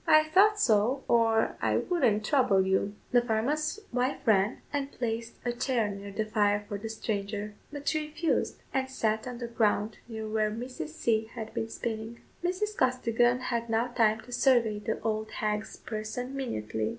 "I thought so, or I wouldn't trouble you." The farmer's wife ran, and placed a chair near the fire for the stranger; but she refused, and sat on the ground near where Mrs. C. had been spinning. Mrs. Costigan had now time to survey the old hag's person minutely.